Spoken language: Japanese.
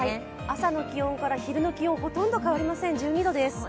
朝の気温から昼の気温ほとんど変わりません、１２度です。